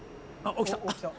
起きた。